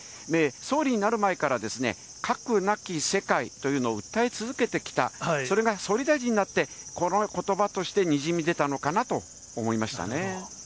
総理になる前から、核なき世界というのを訴え続けてきた、それが総理大臣になって、このことばとしてにじみ出たのかなと思いましたね。